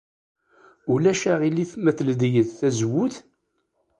Ulac aɣilif ma tledyed tazewwut?